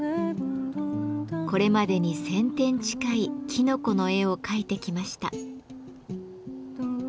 これまでに１，０００点近いきのこの絵を描いてきました。